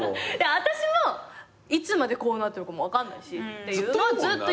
私もいつまでこうなってるかも分かんないしっていうのはずっと言ってるし。